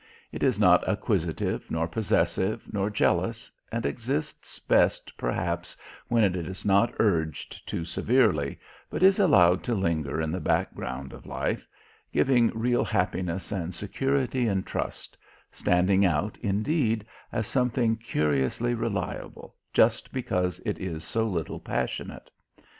It is not acquisitive, nor possessive, nor jealous, and exists best perhaps when it is not urged too severely, but is allowed to linger in the background of life, giving real happiness and security and trust, standing out, indeed, as something curiously reliable just because it is so little passionate.